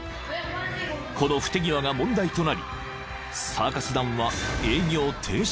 ［この不手際が問題となりサーカス団は］